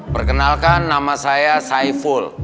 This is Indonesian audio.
perkenalkan nama saya saiful